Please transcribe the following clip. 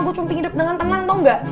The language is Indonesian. gua cuma pingin hidup dengan tenang tau gak